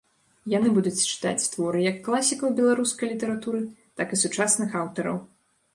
Яны будуць чытаць творы як класікаў беларускай літаратуры, так і сучасных аўтараў.